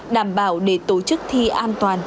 đảm bảo để tổ chức thi an toàn